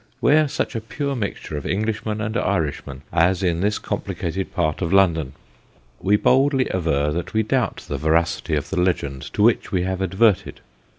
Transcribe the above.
Where such a pure mixture of Englishmen and Irishmen, as in this complicated part of London ? We boldly aver that we doubt the veracity of the legend to which we have adverted.